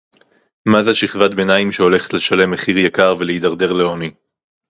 מה זה שכבת ביניים שהולכת לשלם מחיר יקר ולהידרדר לעוני